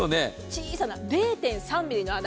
小さな０．３ｍｍの穴。